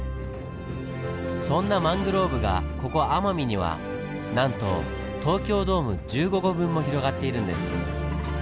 そんなマングローブがここ奄美にはなんと東京ドーム１５個分も広がっているんです。